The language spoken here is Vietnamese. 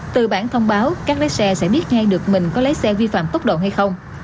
từ bản thông báo các lái xe sẽ biết ngay được mình có lái xe vi phạm tốc độ hay không